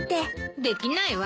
できないわ。